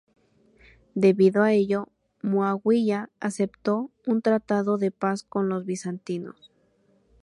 Debido a ello, Muawiya aceptó un tratado de paz con los bizantinos.